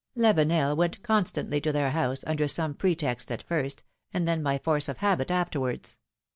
Lavenel went constantly to their house, under some pretext at first, and then by force of habit afterwards.